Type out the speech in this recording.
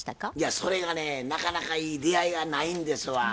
それがねなかなかいい出会いがないんですわ。